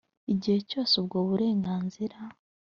igihe cyose ubwo burenganzira